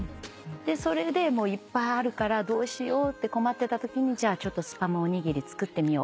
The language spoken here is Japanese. それでいっぱいあるからどうしようって困ってたときにじゃあスパムおにぎり作ってみようかっていって。